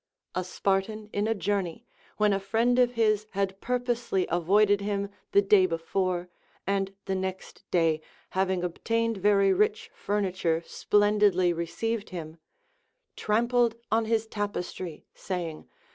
A Spartan in a journey, when a friend of his had purposely avoided him the day before, and the next day, having ob tained very rich furniture, splendidly received him, trampled on his tapestry saying.